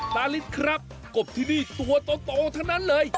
ลิสครับกบที่นี่ตัวโตทั้งนั้นเลย